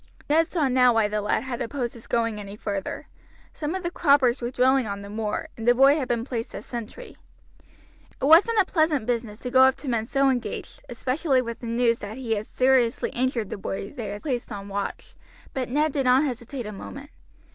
Ned saw now why the lad had opposed his going any further. Some of the croppers were drilling on the moor, and the boy had been placed as sentry. It wasn't a pleasant business to go up to men so engaged, especially with the news that he had seriously injured the boy they had placed on watch. But Ned did not hesitate a moment.